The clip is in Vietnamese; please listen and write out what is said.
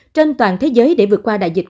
trên toàn thế giới để vượt qua đại dịch